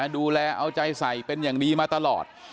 ดูแลเอาใจใส่เป็นอย่างดีมาตลอด